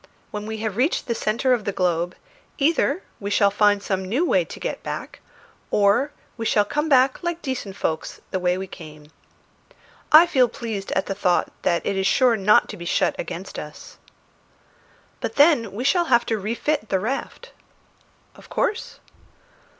When we have reached the centre of the globe, either we shall find some new way to get back, or we shall come back like decent folks the way we came. I feel pleased at the thought that it is sure not to be shut against us." "But then we shall have to refit the raft." "Of course."